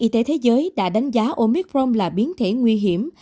y tế thế giới đã đánh giá omicrom là biến thể nguy hiểm